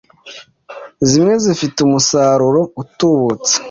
Zimwe zifite umusaruro utubutse